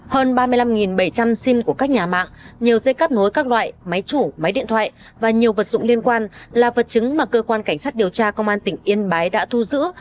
hơn ba mươi năm bảy trăm linh sim của các nhà mạng nhiều dây cắt nối các loại máy chủ máy điện thoại và nhiều vật dụng liên quan là vật chứng mà cơ quan cảnh sát điều tra công an tỉnh yên bái đã thu giữ